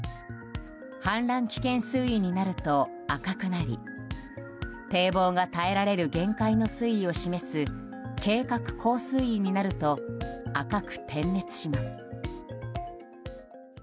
氾濫危険水位になると赤くなり堤防が耐えられる限界の水位を示す計画高水位になると赤く点滅します。